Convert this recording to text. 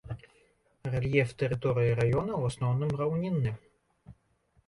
Рэльеф тэрыторыі раёна ў асноўным раўнінны.